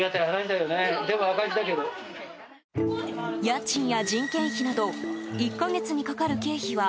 家賃や人件費など１か月にかかる経費は